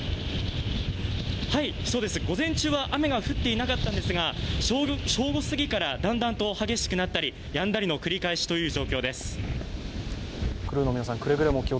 そうです、午前中は雨が降っていなかったんですが正午過ぎからだんだんと激しくなったりやんだりの繰り返しという感じです。